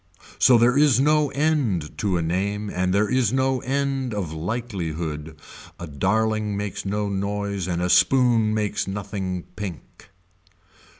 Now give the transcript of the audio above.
So there is no end to a name and there is no end of likelihood. A darling makes no noise and a spoon makes nothing pink.